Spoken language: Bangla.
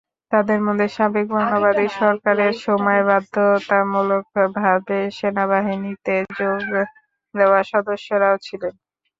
তাঁদের মধ্যে সাবেক বর্ণবাদী সরকারের সময় বাধ্যতামূলকভাবে সেনাবাহিনীতে যোগ দেওয়া সদস্যরাও ছিলেন।